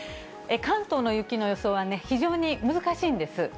関東の雪の予想はね、非常に難しいんです。